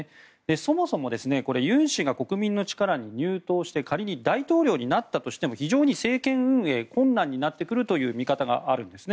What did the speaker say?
そもそもこれユン氏が国民の力に入党して仮に大統領になったとしても非常に政権運営が困難になってくるという見方があるんですね。